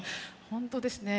本当ですね。